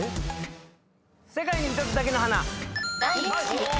世界に一つだけの花。